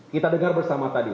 kita dengar bersama tadi